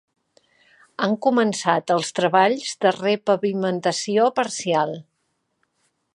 Han començat els treballs de repavimentació parcial.